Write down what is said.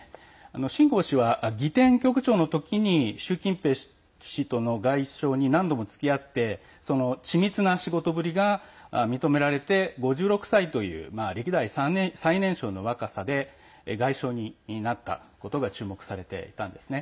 秦剛氏は儀典局長の時に習近平氏に付き添って綿密な仕事ぶりが認められ５６歳という歴代最年少の若さで外相になったことが注目されていたんですね。